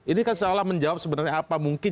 ini kan seolah menjawab sebenarnya apa mungkin